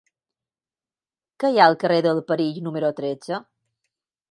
Què hi ha al carrer del Perill número tretze?